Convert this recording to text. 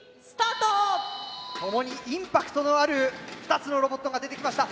共にインパクトのある２つのロボットが出てきました。